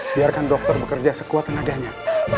biarkan dokter bekerja sekuat tenaganya